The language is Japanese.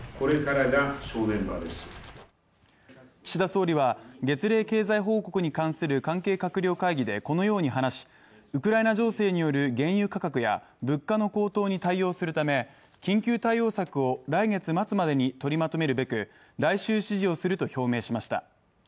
岸田総理は、月例経済報告に関する関係閣僚会議でこのように話しウクライナ情勢による原油価格や物価の高騰に対応するため緊急対応策を来月末までに取りまとめるべく来週、指示をすると表明しました。